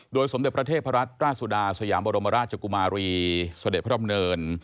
โดยสมเด็จประเทศพระราชราชสุดาสยามบรมราชจกุมารีสเด็จพระรอบเนิน